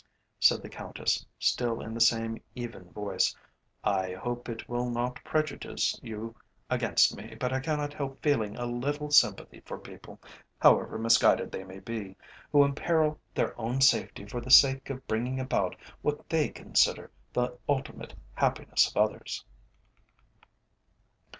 said the Countess, still in the same even voice. "I hope it will not prejudice you against me, but I cannot help feeling a little sympathy for people however misguided they may be who imperil their own safety for the sake of bringing about what they consider the ultimate happiness of others."